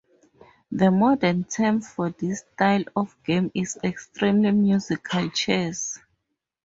The modern term for this style of game is "Extreme Musical Chairs".